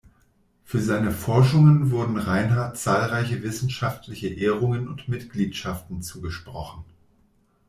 Für seine Forschungen wurden Reinhard zahlreiche wissenschaftliche Ehrungen und Mitgliedschaften zugesprochen.